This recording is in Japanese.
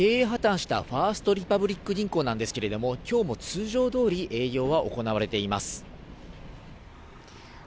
経営破綻したファースト・リパブリック銀行なんですけれども、今日も通常通り、営業は行われています。